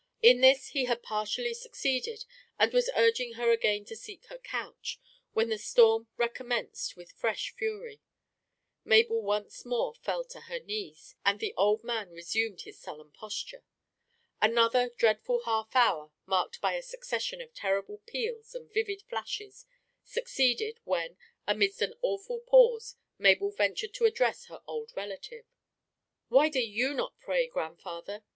In this he had partially succeeded, and was urging her again to seek her couch, when the storm recommenced with fresh fury. Mabel once more fell on her knees, and the old man resumed his sullen posture. Another dreadful half hour, marked by a succession of terrible peals and vivid flashes, succeeded, when, amidst an awful pause, Mabel ventured to address her old relative. "Why do you not pray, grandfather?"